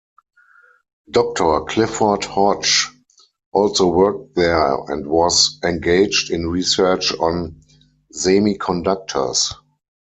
Doctor Clifford Hodge also worked there and was engaged in research on semiconductors.